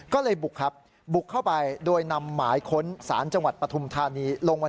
ก็เลยบุกครับบุกเข้าไป